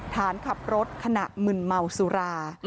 ฐานขับรถขณะมึนเมาสุรา